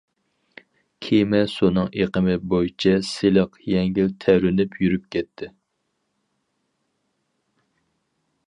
كېمە سۇنىڭ ئېقىمى بويىچە سىلىق، يەڭگىل تەۋرىنىپ يۈرۈپ كەتتى.